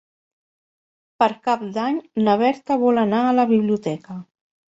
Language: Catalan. Per Cap d'Any na Berta vol anar a la biblioteca.